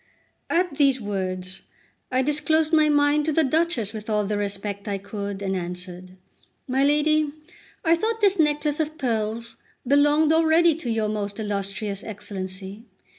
At these words I disclosed my mind to the Duchess with all the respect I could, and answered: "My lady, I thought this necklace of pearls belonged already to your most illus trious Excellency.